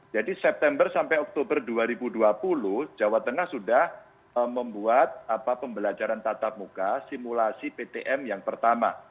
jadi september sampai oktober dua ribu dua puluh jawa tengah sudah membuat pembelajaran tatap muka simulasi ptm yang pertama